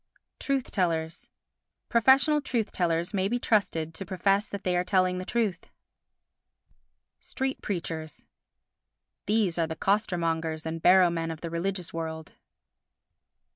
Truth tellers Professional truth tellers may be trusted to profess that they are telling the truth. Street Preachers These are the costermongers and barrow men of the religious world.